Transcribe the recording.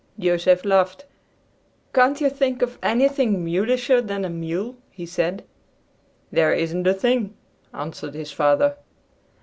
Joseph laughed. "Can't you think of anything mulisher than a mule?" he said. "There isn't a thing," answered his father.